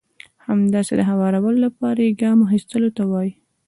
همداسې د هوارولو لپاره يې ګام اخيستلو ته وایي.